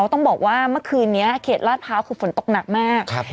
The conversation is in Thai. ต้องบอกว่าเมื่อคืนนี้เขตลาดพร้าวคือฝนตกหนักมาก